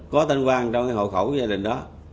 có tên quang trong hội khẩu gia đình đó